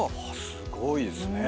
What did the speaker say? すごいですね。